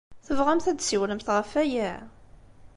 Tebɣamt ad d-tessiwlemt ɣef waya?